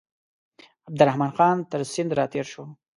عبدالرحمن خان تر سیند را تېر شو.